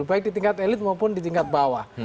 baik di tingkat elit maupun di tingkat bawah